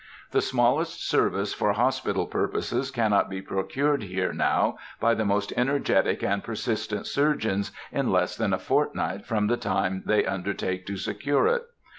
The smallest service for hospital purposes cannot be procured here now by the most energetic and persistent surgeons in less than a fortnight from the time they undertake to secure it.